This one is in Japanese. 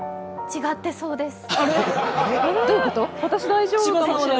違ってそうです。